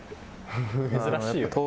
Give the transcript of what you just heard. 珍しいよね。